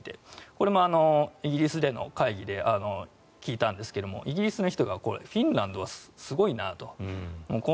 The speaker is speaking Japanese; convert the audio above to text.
これもイギリスでの会議で聞いたんですが、イギリスの人がフィンランドはすごいなと。